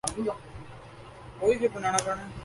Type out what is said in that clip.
پھر اسلامی فوج میں بغیر عہدہ کے لڑے